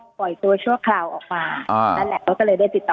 ก็ปล่อยตัวอ่านั่นแหละเขาก็เลยได้ติดต่อ